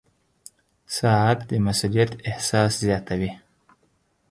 • ساعت د مسؤولیت احساس زیاتوي.